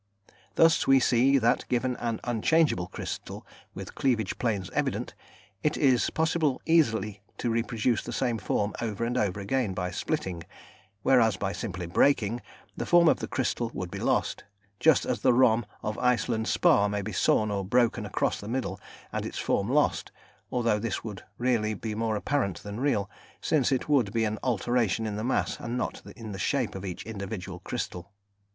Thus we see that given an unchangeable crystal with cleavage planes evident, it is possible easily to reproduce the same form over and over again by splitting, whereas by simply breaking, the form of the crystal would be lost; just as a rhomb of Iceland spar might be sawn or broken across the middle and its form lost, although this would really be more apparent than real, since it would be an alteration in the mass and not in the shape of each individual crystal.